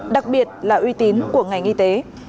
đặc biệt là uy tín của ngành y tế